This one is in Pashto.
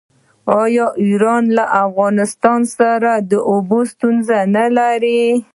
آیا ایران له افغانستان سره د اوبو ستونزه نلري؟